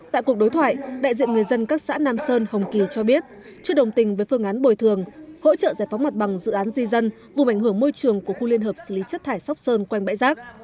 tại cuộc đối thoại đại diện người dân các xã nam sơn hồng kỳ cho biết chưa đồng tình với phương án bồi thường hỗ trợ giải phóng mặt bằng dự án di dân vùng ảnh hưởng môi trường của khu liên hợp xử lý chất thải sóc sơn quanh bãi rác